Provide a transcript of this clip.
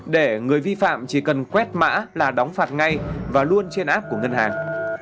để người vi phạm chỉ cần quét mã là đóng phạt ngay và luôn trên app của ngân hàng